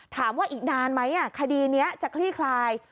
ถามว่าอีกนานไหมคดีนี้จะคลี่คลาย